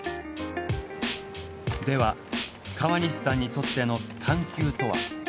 では川西さんにとっての探究とは？